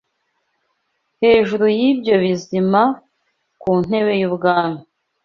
Hejuru y’ibyo bizima, ku ntebe y’ubwami